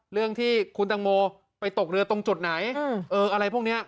เรื่องที่คุณตังโมไปตกเรือตรงจุดไหนอะไรพวกนี้